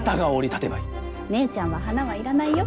姉ちゃんは花は要らないよ。